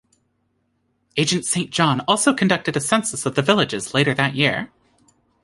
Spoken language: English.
Agent Saint John also conducted a census of the villages later that year.